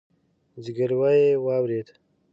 ځګيروی يې واورېد.